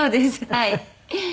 はい。